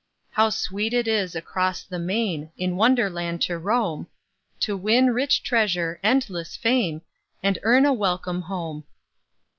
How sweet it is across the main, In wonder land to roam, To win rich treasure, endless fame, And earn a welcome home."